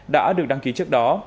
đã được đăng ký trước đó